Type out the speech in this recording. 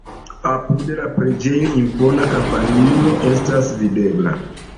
Apud la preĝejo impona kampanilo estas videbla.